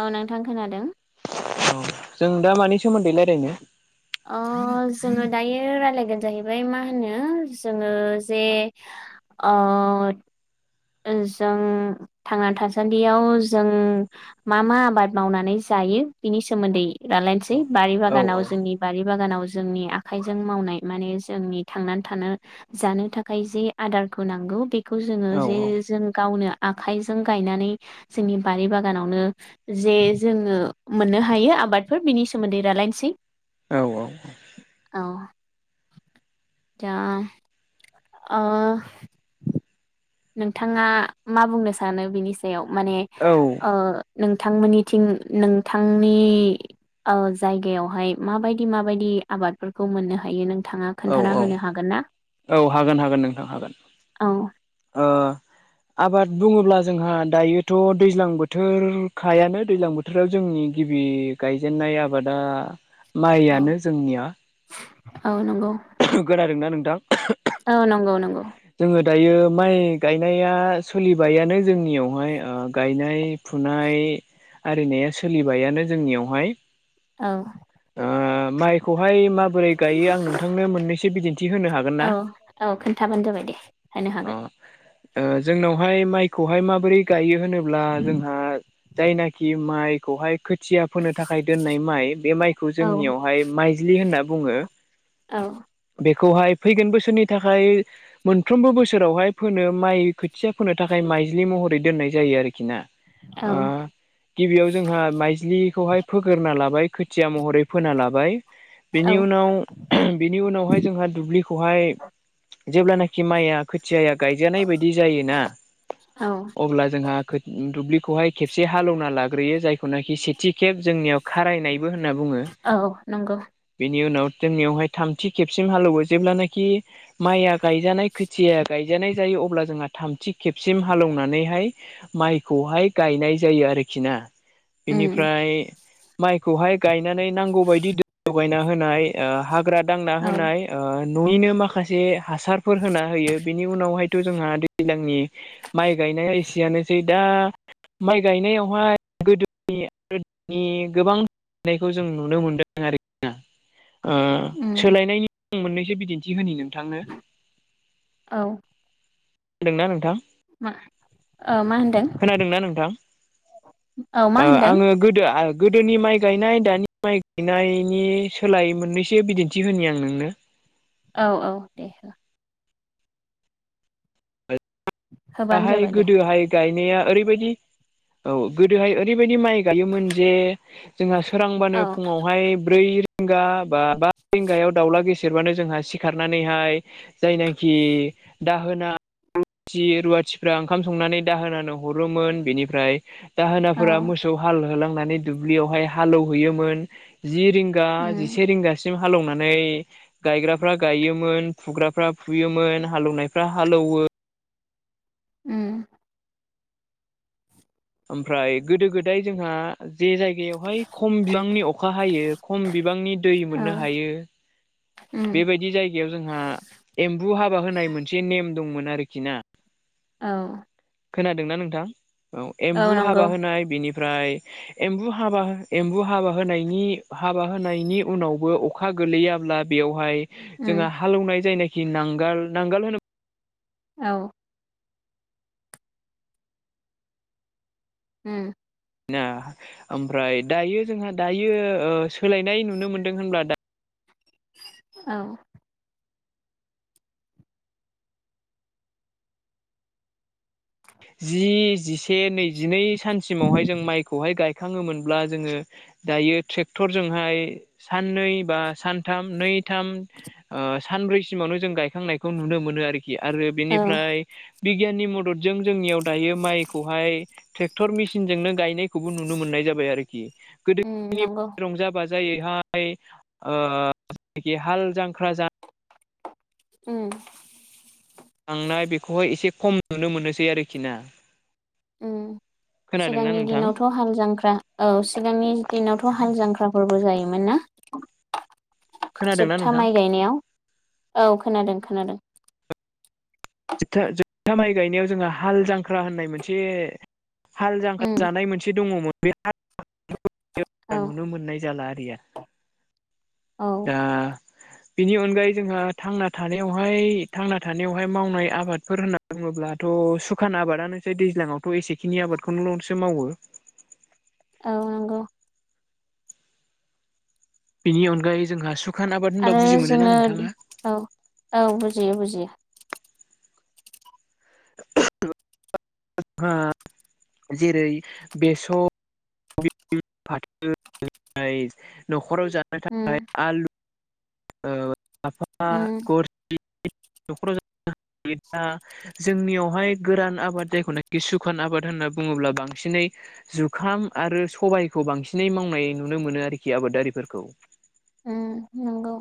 औ नोंथां खोनादों औ जों दा मानि सोमोन्दै रायलायनो अ जोङो दायो रायलायगोन जाहैबाय मा होनो जोङो जे आ जों थांना थासान्दियाव जों मा-मा आबाद मावनानै जायो जायो बिनि सोमोन्दै रलायनोसै बारि औ बागानाव जोंनि बारि बागानाव जोंनि आखाइजों मावनाय मान जोंनि थांनानै थानो जानो थाखाय जि आदार नांगौ बेखौ जो औ जे जो गावनो आखाइजों गायनानै जोंनि बारि बागानावनो जे जोङो मोन हायो आबादफोर बिनि सोमोन्दै रालायनोसै औ औ जा ओ नोंथाङा मा बुंनो सानो बिनि सायाव माने औ नोंथांमोननिथिं नोंथांनि ओ जायगायावहाय माबायदि माबायदि आबादफोरखौ मोननो हायो नों औ-औ-औ हागोन हागोन नोंथां हागोन औ आबाद बुङोब्ला जोंहा दायोथ' दैज्लां बोथोरखायानो दैज्लां बोथोराव जोंनि नि गिबि गायजेननाय आबादा औ माइआनो जोंनिया औ नंगौ खोनादोंना नोंथां औ नंगौ नंगौ जोङो दायो माइ गायनाया सोलिबायानो जोंनियावहाय गायनाय फुनाय आरिनाया सोलिबायानो जोंनियावहाय औ आ माइखौ बेवहाय माबोरै गायो आं नोंथांनो मोननैसो बिदिन्थि होनो औ हागोनना औ खोन्थाबानो जाबाय दे होनो हागोन जोंनावहाय माइखौहाय माबोरै गायो होनोब्ला जोंहा जायनाखि माइ खौहाय खोथिया फोनो थाखाय दोननाय माइ बे माइखौ औ जोंनियावहाय माइज्लि होनना बुङो औ बेखौहाय फैगोन बोसोरनि थाखाय मोनफ्रोमबो बोसोरावहाय फोनो माइ खो थिया फोनो थाखाय माइज्लि महरै दोननाय जायो आरोखि ना। औ गिबियाव जोंहा माइज्लिखौहाय फोगोरना लाबाय। खोथिया महरै फोना लाबाय। औ बेनि उनावहाय जोंहा दुब्लिखौहाय जेब्लानाखि खि माया खोथियाया गायजानाय बायदि जायोना औ अब्ला जोंहा दुब्लि खेबसे हालवना लाग्रयो जायखौना सेथि खेब जोंनियाव खारनाय होनना बुङो, औ नंगौ बेनि उनाव जोंनियावहाय थामथि खेबसिम हालेवो जेब्लानखि माइया गायजानाय खोथिाया गायजानाय जायो अब्ला जोंहा थामथि खेबसिम हालेवनानैहाय माइखौहाय गायनाय जायो आरोखि ना। उम बेनिफ्राय माइखौहाय गाय गायनानै नांगौ बायदिायना होनाय हाग्रा दांना औ होनाय न'यैनो माखासे हासारफोर होना होयो, बेनि उनावहायथ' जोंहा दैज्लांनि माइ गायनाया एसेयानोसै दा माइ गायनायावहाय गोदोनि आरो गोबांनायखौ जों नुनो मोनदों आरो। ओ उम सोलायनायनि आं मोननैसो बिदिन्थि होनि नोंथांनो औ। खोना दोंना नोंथां? मा मा ओ होनदों? खोनादोंना नोंथां औ मा ओ होनदों आङो गोदो गोदोनि माइ गायनाय दानि माइ गायनायनि सोलाय मोननैसो बिदिन्थि होननि आं नोंनो औ औ दे हो। होबानो दाहाय जाबाय दे गोदोहाय गाय [unintelligible] औ गोदोहाय ओरैबादि माइ गायो मोन जे जोंहा औ फोरांबानो फुङावहाय ब्रै रिंघा बा बा रिंघा याव दाउला गेसेेरबानो जोंहा सिखारनानैहाय जायनाखि दाहोना रुवाथि रुवाथिफ्रा ओंखाम संनानै दाहोनानै हरोमोन, बिनिफ्राय औ दाहोनाफोरा मोसौ हाल होलांनानै दुब्लियावहाय हालेवहैयोमोन। जि रिंगा उम जिसे रिंगासिम हालौवनानै मै गायग्राफ्रा गायोमोन फुग्राफ्रा फुयोमोन हालौनायफ्रा हालौवो। उम। ओमफ्राय गोदो गोदाय जोंहा जे जायगायावहाय खम बिबांनि अखा हायो, खम बिबांनि दै औ मोननो हायो उम बेबायदि जायगायाव जोंहा एम्बु हाबा होनाय मोनसे नेम दंमोन आरोखि ना? औ। खोनादोंना नोंथां? औ एम्बु हाबा होनाय बेनि ओमफ्राय एम्बु एम्बु हाबा होनायनि उनावबो अखा गोलैयाब्ला बेयावहाय उम जोंङहा हालौवनाय जायनाखि नांगाल नांगाल होनब्ला औ। उम। ना ओमफ्राय दायो जोंहा दायो सोलायनाय नुनो मोनदों होनब्ला दा औ। जि जिसे नैजिनै सानसिमावहाय जों माइखौहाय गायखाङोमोनब्ला जोङो दायो ट्रेक्टरजोंहाय साननै बा सानथाम नैथाम सानब्रैसिमावनो जों गायखांनायखौ नुनो मोनो। आरोखि आरो औ बेनिफ्राय बिगियाननि मददजों जोंनियाव दायो माइखौहाय ट्रेक्टर मेसिनजोंनो गायनायखौबो नुनो मोननाय जाबाय आरोखि। उम गोदोनि नंगौ रंजा बाजा जायैहाय जखि हाल जांख्रा जा उम। थांनाय बेखौहाय एसे खम नुनो मोनोसै आरोखि ना उ खोनादोंना सिगांनि नोंथां दिनावथ' हाल जांख्रा औ सिगांनि दिनावथ' हाल जांख्राफोरबो जायोमोन ना खोनादोंना जोबथा नोंथां माइ गायनायाव औ खोनादों खोनादों जथा जोबथा माइ गायनायाव जोंहा हाल जांख्रा होननाय मोनसे हाल जांखाल उम जानाय मोनसे दङमोन बे औ नुनो मोननाय जाला आरिया औ दा [unintelligible] [inaudible] बिनि अनगायै जोंहा थानायावहाय थांना थानायावहाय मावनाय आबादफोर होनना बुङोब्लाथ' अ सुखान आबादानोसै दैज्लाङावथ' एसेखिनि आबादखौल'सो मावो औ नंगौ बिनि अनगायै जोंहा सुखान आबाद होनबा आरो बुजि मोनोना जोङो नोंथाङा औ औ बुजियो बुजियो जोंहा जेरै बेसर न'खराव जानो थाखाय उम आलु उम [unintelligible] [inaudible] न'खराव ज दा जोंनियावहाय गोरान आबाद जायखौनाखि सुखान आबाद होनना बुङोब्ला बांसिनै जुखाम आरो सबबायखौ बांसिनै मावनाय नुनो मोनो आरोखि आबादारिफोरखौ उ नांगौ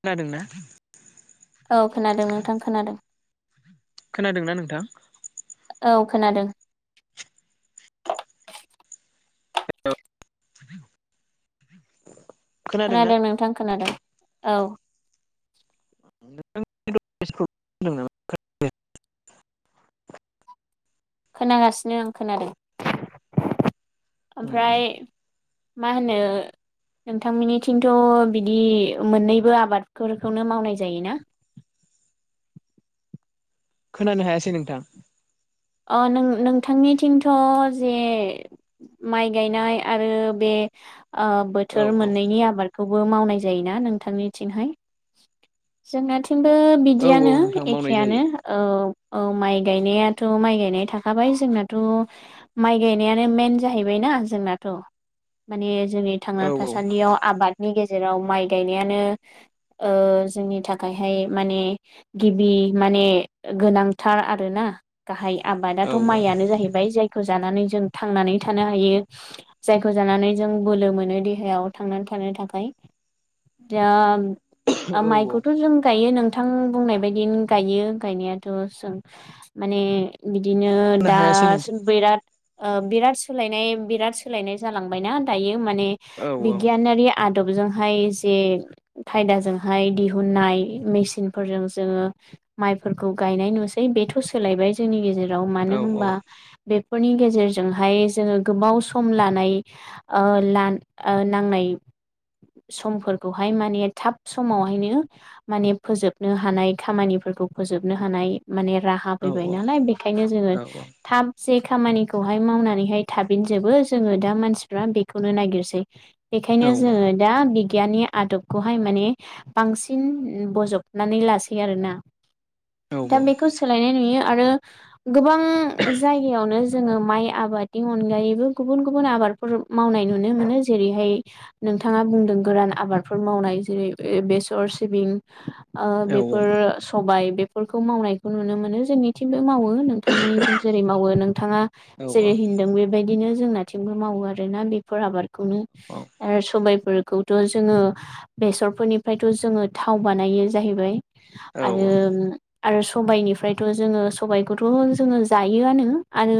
खोनादोंना औ खोनादों नोंथां खोनादों खोनादोंना नोंथां औ खोनादों हेल खोनादों नोंथां खोनादों औ [unintelligible] [inaudible] खोनागासिनो आं खोनादों उम उम ओमफ्राय मा होनो नोंथांमोननिथिंथ' बिदि मोननैबो आबादफोरखौनो मावनाय जायोना [unintelligible] [inaudible] खोनानो हायासै नोंथां अ नों नोंथांनिथिंथ' जे माइ गायनाय आरो बे आ औ बोथोर औ मोननैनि आबादखौबो मावनाय जायोना नोंथांनिथिंहाय जोंनाथिंबो औ बिदियानो औ नोंथां मावनाय एखेयानो जायो औ औ माइ गायनायाथ' माइ गायनाय थाखाबाय जोंनाथ' माइ गायनायानो मेन जाहैबायना जोंनाथ' माने जोंनि औ थांना औ थासान्दियाव आबादनि गेजेराव माइ गायनायानो जोंनि थाखायहाय माने गिबि माने गोनांथार आरोना गाहाइ औ आबादाथ' माइयनो जाहैबाय जाय जानानै जों थांनानै थानो हायो जायखौ जानानै जों बोलो मोनो देहायाव थांनानै थानो थाखाय दा औ औ औ माइखौथ' जों गायो नों थां बुंनाय बायदिनो गायो गायनायाथ'सुन माने बि बिदिनो होनो हायासै दासिम नोंथां बिराद ओ बिराद सोलायनाय बिराद सोलायनाय जालांबायना दायो माने औ औ बिगियानारि आद आदबजोंहाय जे खायदाजों बहाय दिहुननाय मेसिन फोरजों जोङो माइफोरखौ गायनाय नुसै बेथ' सोलायबाय जोंनि गेजेराव मानो औ होनबा बेफोरनि गेजेरजोंहाय जोङो गोबाव सम लानाय ला नांनाय समफोरखौहाय माने थाब समावहायनो माने फोजोबनो हानाय खामानिफोरखौ फोजोबनो हानाय माने राहा औ फैबाय नालाय बेखायनो जोङो औ थाम जे खामानिखौहाय मावनानैहाय थाफिनजोबो जोङो दा मानसिफ्रा बेखौनो नागिरसै बेखायनो जोङो दा बिगियाननि आदबखौहाय माने बांसिन बजबनानै लासै आरोना दा बेखौ सोलायनाय नुयो आरो गोबां जायगायावनो जोङो माइ आबादनि अनगायैबो गुबुन गुबुन आबादफोर मावनाय नुनो मोनो जेरैहाय नोंथाङा बुंदों गोरान आबादफोर मावनाय जेरै बेसर सिबिं बेफोर सबाय बेफोरखौ मावनायखौ नुनो मोनो जोंनि मावो नोंथांनि औ जों जेरै मावो नोंथाङा जेरै होनदों बेबायदिनो जोंनाथिंबो मावो आरोना बेफोर आबादखौनो सबाय बेफोरखौथ' जोङो बेसरफोरनिफ्रायथ' जोङो थाव बानायो जाहैबाय आरो आरो सबायनिफ्रायथ' जोङो सबायखौथ' जोङो जायोआनो आरो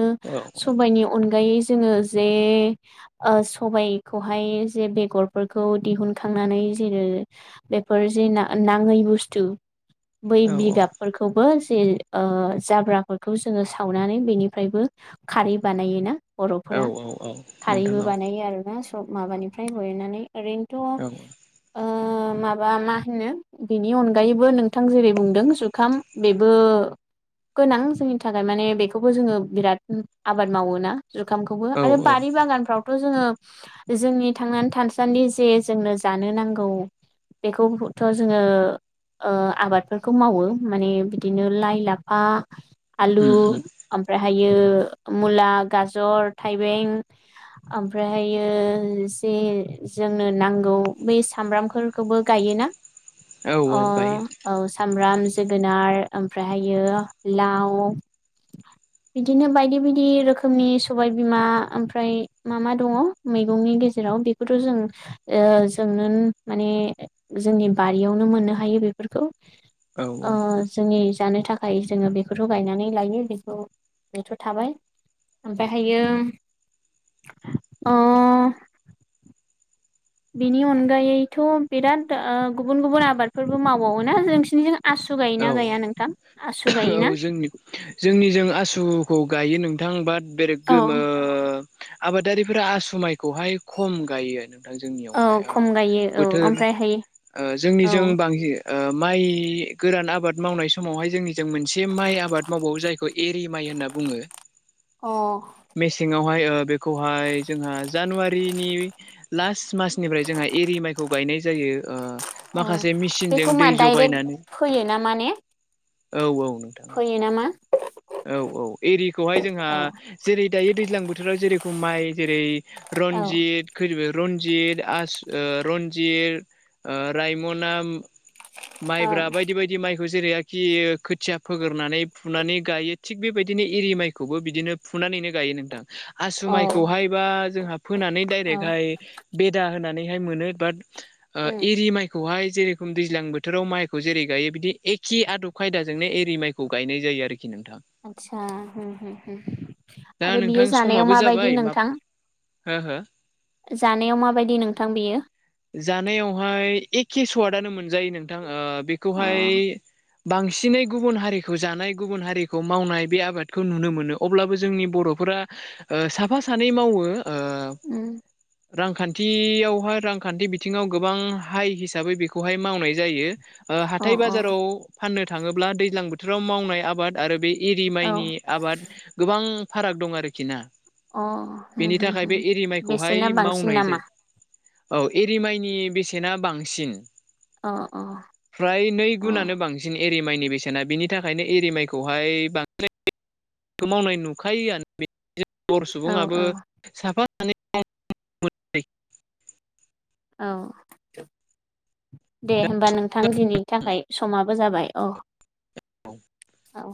औ सबायाइनि अनगायै जोङो जे सबायाइखौहाय जे बेगरफोरखौ दिहुनखांनानै आरो बेफोर जि ना-नाङै बुस्थु बै औ औ बिगाबफोरखौबो जाब्राफोरखौ जोङो सावनानै बेनिफ्रायबो खारै बानायोना औ बर'फोरा औ नोंथां खारैबो औ बानायो आरोना [unintelligible] ओैनोथ' औ ओ माबा मा होनो बिनि अनगायैबो नोंथां जेरै बुंदों जुखाम बेबो गोनां जोंनि थाखाय माने बेखौबो जोङो बिराद आबाद मावोना जुखामखौबो औ आरो औ बारि बागानफ्रावथ' जोङो जोंनि थांनानै थानासान्दि जे जोंनो जानो नांगौ बेखौथ' जोङो ओ आबादफोरखौ मावो माने बिदिनो लाइ लाफा आलु उम उम ओमफ्रायहायो मुला गाजर थाइबें ओमफ्रायहायो जे जोंनो नांगौ बै सामब्रामखौ गायोना औ अ औ गायो औ सामब्राम जोगोनार ओमफ्रायहायो लाव बिदिनो बायदि बायदि रोखोमनि सबाय बिमा ओमफ्राय मा मा दङ मैगंनि गेजेराव बेखौथ' जों जोंनो माने जोंनि बारियावनो मोननो हायो बेफोरखौ औ औ जोंनि जानो थाखाय जोङो बेखौथ' गायनानै लायो बेखौ बेथ' थाबाय ओमफ्रायहायो बिनि अनगायैथ' बिराद गुबुन गुबुन आबादफोरबो मावबावोना नोंसिनिजों आसु औ गायोना गाया नोंथां आसु गायोना औ जोंनि जोंनिजों [unintelligible] गायो नोंथां बााद बेरे औ गोमो आबादारिफोरा आसुमायखौहाय खम गायो औ जोंनियावहाय खम गायो औ बोथोर ओमफ्रायहाय औ जोंनिजों बांसिन ओ माइ गोदान आबाद मावनाय समावहाय जोंनि ज मोनसे माइ आबाद मावबावो जायखौ एरि माइ होनना बुङो अ बेहाय जोंहा जानुवारिनि ला मनिफ्राय जोंहा एरि माइखौ गाय यनाय जायो अ माखासे मेसिनजों बेखौ दै मा डाइरेक्ट फैयो ना माने औ‌ औ नोंथां फैयो नामा औ औ एरिखौहाय जोंहा औ जेरै दायो दैज्लां बोथोराव जेरै माय जेरै औ रनजित [unintelligible] जित आस ओ रनजित ओ रायमना माइब्राब दि माइखौ जेरै आरोखि खोथिया फोगोरनानै फुनानै गायो थिग बेबायदिनो एरि माइखौबो बिदिनो फुनानैनो गायो नोंथां। आसु औ माइखौहाय बा जोंहा फोनानै औ डाइरेकहाय बेदा होना नैहाय मोनो बाद ओ एरि मायखौहाय जेरखम दैज्लां बोथोराव माइ खौ जेरै गायो बिदि एखे आदब खायदाजोंनो एरि माइखौ गायनाय जायो आरो। आदसा हो हो दा आरो बियो नोंथां जानायाव समाबो माबायदि जाबाय मा नोंथां? हो हो। जानायाव माबायदि नोंथां बियो जानायावहाय एखे सवादनो मोन जायो नोंथां ओ अ बेखौहाय बांसिनै गुबुन हारिखौ जानाय गुबुन हारिखौ मावनाय बे आबादखौ नुनो मोनो अब्लाबो जोंनि बर' फोरा ओ साफा सानै मावो। ओ रांखान्थियावहाय रां खान्थि बिथिङाव गोबां हाइ हिसाबै बेखौहाय मावनाय जायो ओ अ हाथाय बाजाराव फाननो थाङोब्ला दैज्लां बोथोराव मावनाय आबाद आरो बे एरि अ माइनि आबाद गोबां फाराग दं आरोखि ना। औ बेनि थाखाय अ बे एरि बेसेना माइखौहाय बांसिन मावनाय नामा जाय औ एरिमाइनि बेसेना बांसिन अ अ। फ्राय नै अ गुुनानो बांसिन एरि माइनि बेसेना बिनि थाखायनो एरिमाइखौहाय बांद्राय खौ मावनाय नुखायोआनो। जों बर' औ सुबुङाबो औ साफा सानैै [unintelligible] औ। दे होमबा नोंथां दिनि थाखाय समाबो जाबाय अ। औ। औ।